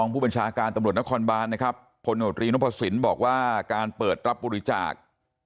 ผู้บัญชาการตำรวจนครบานนะครับพลโนตรีนพสินบอกว่าการเปิดรับบริจาค